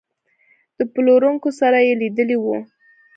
د پلورونکو سره یې لیدلي وو.